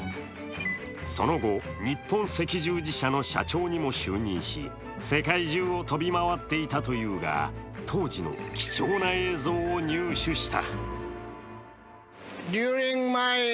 その後、日本赤十字社の社長にも就任し世界中を飛び回っていたというが、当時の貴重な映像を入手した。